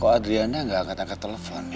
kok adriana enggak angkat angkat teleponnya